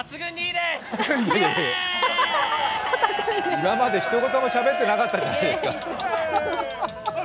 今までひと言もしゃべってなかったじゃないですか。